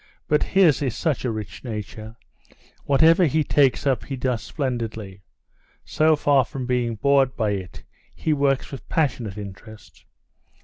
But his is such a rich nature! Whatever he takes up, he does splendidly. So far from being bored by it, he works with passionate interest.